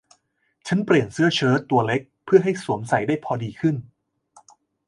ฉันเปลี่ยนเสื้อเชิ้ตตัวเล็กเพื่อให้สวมใส่ได้พอดีขึ้น